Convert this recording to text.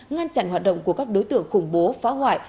ngăn chặn hoạt động của các đối tượng khủng bố phá hoại